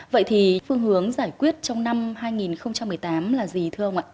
vậy thì phương hướng giải quyết trong năm hai nghìn một mươi tám là gì thưa ông ạ